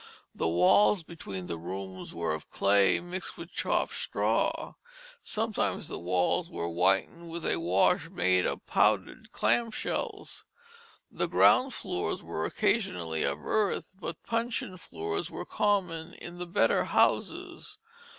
The walls between the rooms were of clay mixed with chopped straw. Sometimes the walls were whitened with a wash made of powdered clam shells. The ground floors were occasionally of earth, but puncheon floors were common in the better houses.